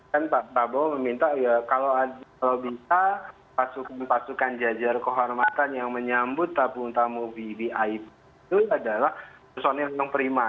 kan pak prabowo meminta ya kalau bisa pasukan pasukan jajar kehormatan yang menyambut tabung tamu vvip itu adalah personil yang prima